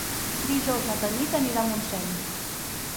Dijous na Tanit anirà a Montseny.